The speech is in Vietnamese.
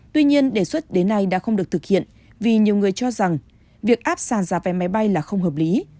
tuy nhiên đề xuất đến nay đã không được thực hiện vì nhiều người cho rằng việc áp sản giá vé máy bay là không hợp lý